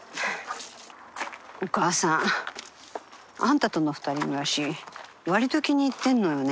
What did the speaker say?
お母さんあんたとの二人暮らし割と気に入ってるのよね。